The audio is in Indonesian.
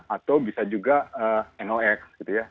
atau bisa juga nox gitu ya